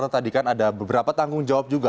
tadi kan ada beberapa tanggung jawab juga